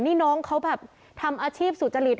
นี่น้องเขาแบบทำอาชีพสุจริต